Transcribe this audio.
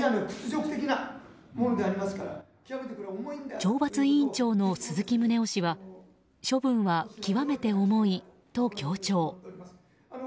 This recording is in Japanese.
懲罰委員長の鈴木宗男氏は処分は極めて重いと強調。